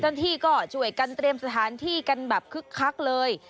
เจ้าหน้าที่ก็ช่วยกันเตรียมสถานที่กันแบบคึกคักเลย